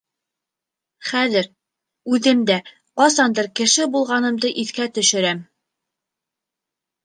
— Хәҙер... үҙем дә ҡасандыр кеше булғанымды иҫкә төшөрәм.